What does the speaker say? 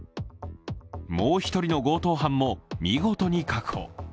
もう１人の強盗犯も見事に確保。